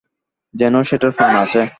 যেন সেটার প্রাণ আছে।